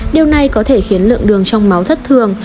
điều này có thể khiến lượng đường trong máu thất thường